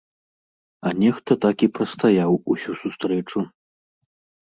А нехта так і прастаяў усю сустрэчу.